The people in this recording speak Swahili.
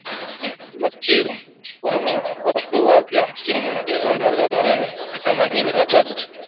Wakiwemo wakuu wapya hamsini na tisa na wa zamani ni themanini na tatu